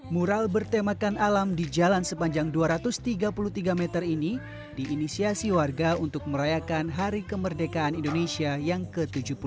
mural bertemakan alam di jalan sepanjang dua ratus tiga puluh tiga meter ini diinisiasi warga untuk merayakan hari kemerdekaan indonesia yang ke tujuh puluh tiga